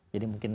jadi mungkin itu